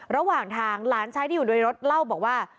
ระหว่างทางหลานชายที่อยู่ในรถเล่าบอกว่า